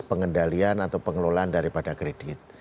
pengendalian atau pengelolaan daripada kredit